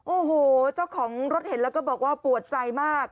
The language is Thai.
โอ้โหเจ้าของรถเห็นแล้วก็บอกว่าปวดใจมาก